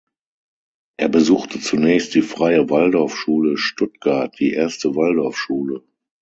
Er besuchte zunächst die Freie Waldorfschule Stuttgart, die erste Waldorfschule.